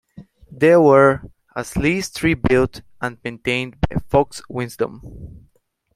There were as least three built and maintained by Fox-Wisdom.